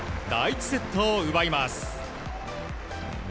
第１セットを奪います。